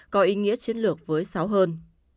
có ý nghĩa chiến lược với sáu hơn